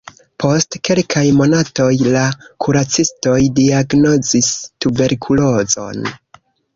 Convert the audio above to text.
Post kelkaj monatoj la kuracistoj diagnozis tuberkulozon.